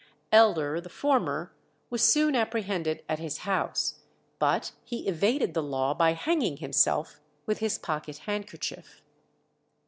Elder, the former, was soon apprehended at his house, but he evaded the law by hanging himself with his pocket handkerchief.